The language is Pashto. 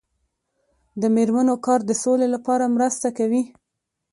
د میرمنو کار د سولې لپاره مرسته کوي.